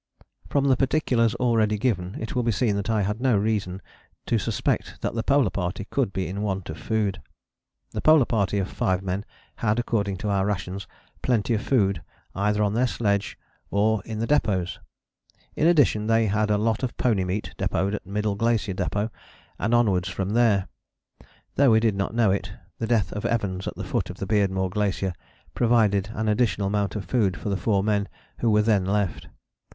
From the particulars already given it will be seen that I had no reason to suspect that the Polar Party could be in want of food. The Polar Party of five men had according to our rations plenty of food either on their sledge or in the depôts. In addition they had a lot of pony meat depôted at Middle Glacier Depôt and onwards from there. Though we did not know it, the death of Evans at the foot of the Beardmore Glacier provided an additional amount of food for the four men who were then left.